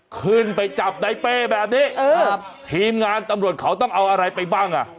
ขึ้นไปจับในเป้แบบนี้ทีมงานตำรวจเขาต้องเอาอะไรไปบ้างอ่ะ